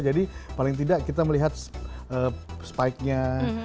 jadi paling tidak kita melihat spike nya